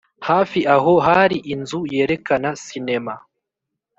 hafi aho hari inzu yerekana sinema?